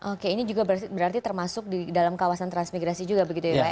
oke ini juga berarti termasuk di dalam kawasan transmigrasi juga begitu ya pak ya